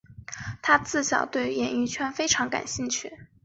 她自小对演艺圈非常感兴趣。